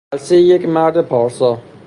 خلسهی یک مرد پارسا